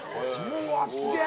うわすげぇ！